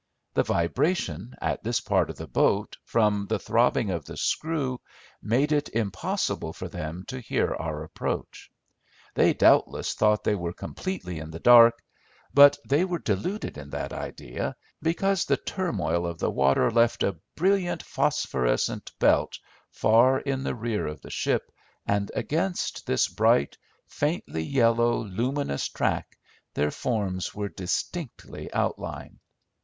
The vibration at this part of the boat, from the throbbing of the screw, made it impossible for them to hear our approach. They doubtless thought they were completely in the dark; but they were deluded in that idea, because the turmoil of the water left a brilliant phosphorescent belt far in the rear of the ship, and against this bright, faintly yellow luminous track their forms were distinctly outlined.